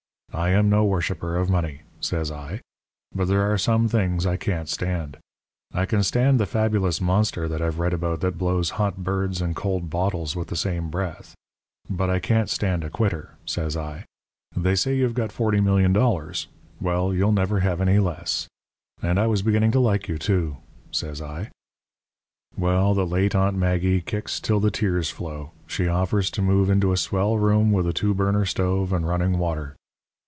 I am no worshipper of money,' says I, 'but there are some things I can't stand. I can stand the fabulous monster that I've read about that blows hot birds and cold bottles with the same breath. But I can't stand a quitter,' says I. 'They say you've got forty million dollars well, you'll never have any less. And I was beginning to like you, too,' says I. "Well, the late Aunt Maggie kicks till the tears flow. She offers to move into a swell room with a two burner stove and running water.